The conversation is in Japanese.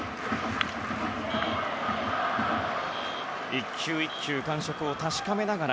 １球１球感触を確かめながら。